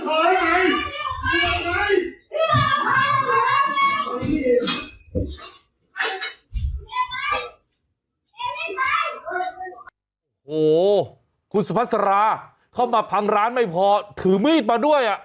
โอ้โหคุณสุภาษาราเข้ามาพังร้านไม่พอถือมีดมาด้วยอ่ะ